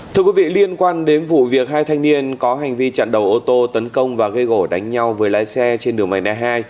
thưa quý vị liên quan đến vụ việc hai thanh niên có hành vi chặn đầu ô tô tấn công và gây gỗ đánh nhau với lái xe trên đường mảnh e hai